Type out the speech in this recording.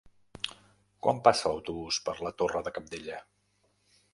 Quan passa l'autobús per la Torre de Cabdella?